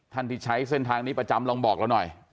ที่ใช้เส้นทางนี้ประจำลองบอกเราหน่อย